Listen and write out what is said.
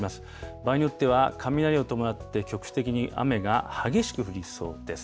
場合によっては、雷を伴って局地的に雨が激しく降りそうです。